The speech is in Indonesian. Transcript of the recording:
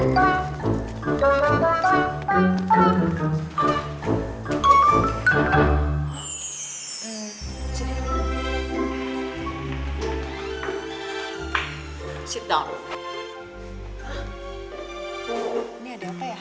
ini ada apa ya